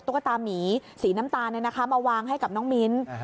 ตามีสีน้ำตาลมาวางให้กับน้องมิ้น